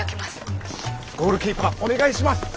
ゴールキーパーお願いします！